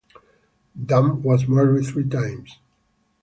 Dunn was married three times.